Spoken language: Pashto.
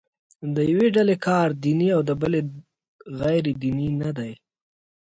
د یوې ډلې کار دیني او د بلې غیر دیني نه دی.